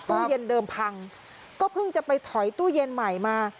ตู้เย็นเดิมพังก็เพิ่งจะไปถอยตู้เย็นใหม่มา